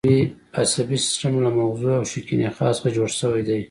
عصبي سیستم له مغزو او شوکي نخاع څخه جوړ شوی دی